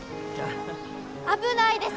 危ないです！